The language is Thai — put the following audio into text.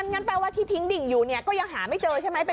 งั้นแปลว่าที่ทิ้งดิ่งอยู่เนี่ยก็ยังหาไม่เจอใช่ไหม